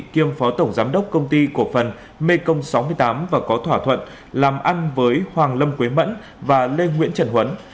kiêm phó tổng giám đốc công ty cổ phần mekong sáu mươi tám và có thỏa thuận làm ăn với hoàng lâm quế mẫn và lê nguyễn trần huấn